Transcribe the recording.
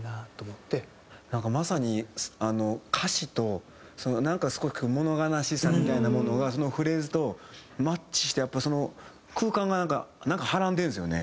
なんかまさに歌詞となんかすごく物悲しさみたいなものがそのフレーズとマッチしてやっぱりその空間がなんかはらんでるんですよね。